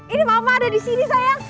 ini mama ada disini sayang